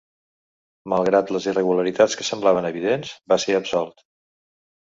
Malgrat les irregularitats que semblaven evidents, va ser absolt.